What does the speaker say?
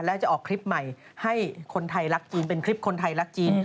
และจะออกคลิปใหม่ให้คนไทยรักจีนเป็นคลิปคนไทยรักจีน